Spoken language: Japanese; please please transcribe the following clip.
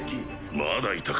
まだいたか。